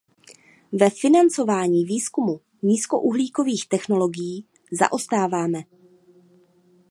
Ve financování výzkumu nízkouhlíkových technologií zaostáváme.